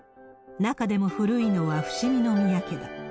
中でも古いのは伏見宮家だ。